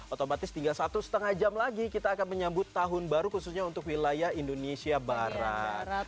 otomatis tinggal satu setengah jam lagi kita akan menyambut tahun baru khususnya untuk wilayah indonesia barat